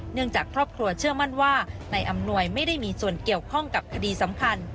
จากครอบครัวเชื่อมั่นว่านายอำนวยไม่ได้มีส่วนเกี่ยวข้องกับคดีสำคัญ